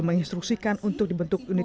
menginstruksikan untuk dibentuk unit